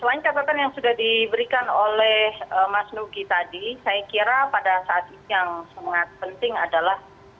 selain catatan yang sudah diberikan oleh mas nugi tadi saya kira pada saat ini yang sangat penting adalah